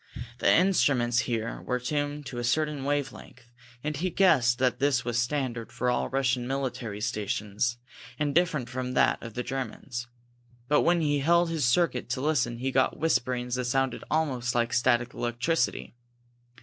The instruments here were tuned to a certain wave length, and he guessed that this was standard for all Russian military stations, and different from that of the Germans. But when he held his circuit to listen he got whisperings that sounded almost like static electricity.